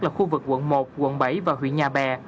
là khu vực quận một quận bảy và huyện nhà bè